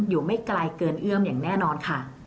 ไม่ไกลเกินเอื้อมอย่างแน่นอนค่ะ